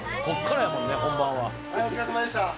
はい、お疲れさまでした。